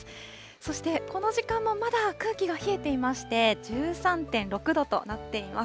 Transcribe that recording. そしてこの時間もまだ空気が冷えていまして、１３．６度となっています。